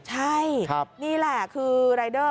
ใช่นี่แหละคือรายเดอร์